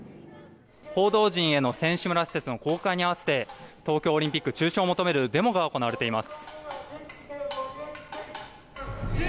報道陣への選手村施設の公開に合わせて東京オリンピック中止を求めるデモが行われています。